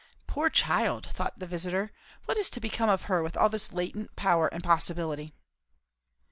"Poor child!" thought the visiter; "what is to become of her, with all this latent power and possibility?"